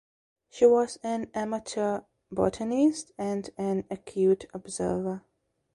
She was an amateur botanist and an acute observer.